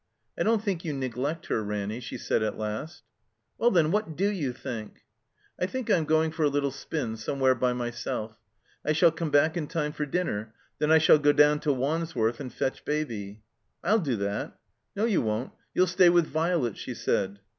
"I don't think you neglect her, Ranny," she said at last. "Well, then, what do you think?*' She turned. "I think I'm going for a little spin somewhere by myself. I shall come back in time for dinner. Then I shall go down to Wandsworth and fetch Baby." •'I'll do that." '*No, you won't. You'll stay with Violet," she said.